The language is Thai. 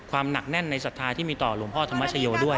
ความหนักแน่นในสัตว์ธรรมที่มีต่อหลวงพ่อธรรมชโยคด้วย